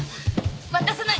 渡さない！